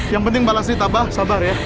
yang penting balasri sabar ya